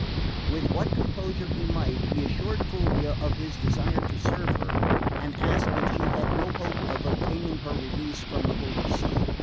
With what composure he might, he assured Fulvia of his desire to serve her, and asked if she had no hope of obtaining her release from the Holy See.